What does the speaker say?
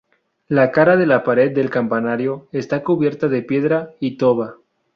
La cara de la pared del campanario está cubierta de piedra y toba.